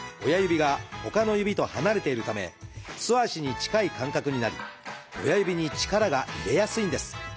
親指がほかの指と離れているため素足に近い感覚になり親指に力が入れやすいんです。